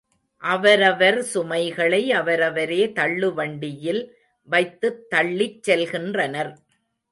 அவரவர் சுமைகளை அவரவரே தள்ளுவண்டியில் வைத்துத் தள்ளிச் செல்கின்றனர்.